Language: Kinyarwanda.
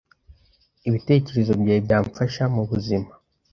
Ibitekerezo byawe byamfasha m'ubuzima